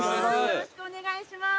よろしくお願いします。